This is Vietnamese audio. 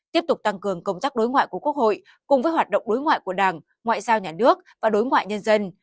tiếp tục tăng cường công tác đối ngoại của quốc hội cùng với hoạt động đối ngoại của đảng ngoại giao nhà nước và đối ngoại nhân dân